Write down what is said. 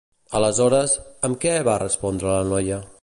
Aleshores, amb què va respondre la noia?